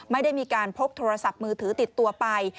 ไม่ได้มีการพกโทรศัพท์มือถือติดตัวไป